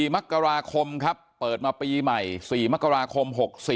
มกราคมครับเปิดมาปีใหม่๔มกราคม๖๔